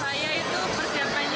saya itu persiapannya hanya satu minggu